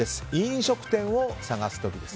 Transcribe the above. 飲食店を探す時。